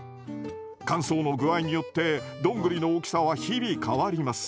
乾燥の具合によってドングリの大きさは日々変わります。